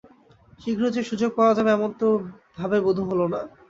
শীঘ্র যে সুযোগ পাওয়া যাবে এমন তো ভাবে বোধ হল না।